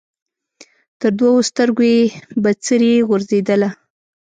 تر دوو سترګو یې بڅري غورځېدله